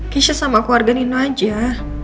keisha sama keluarga nino aja